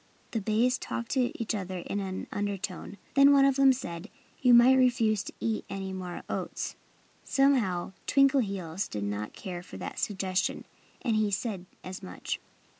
The bays talked to each other in an undertone. Then one of them said: "You might refuse to eat any more oats." Somehow Twinkleheels did not care for that suggestion; and he said as much.